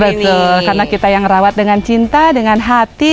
betul karena kita yang rawat dengan cinta dengan hati